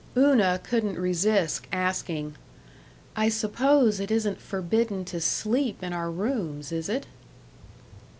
Una couldn't resist asking, "I suppose it isn't forbidden to sleep in our rooms, is it?"